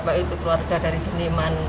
baik itu keluarga dari seniman